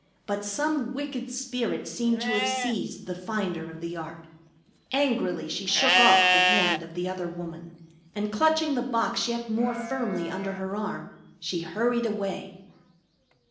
But some wicked spirit seemed to have seized the finder of the ark. Angrily she shook off the hand of the other woman, and clutching the box yet more firmly under her arm, she hurried away.